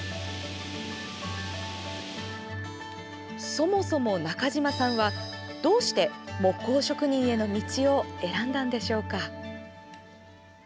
そもそも中島さんはどうして木工職人への道を選んだのでしょうか。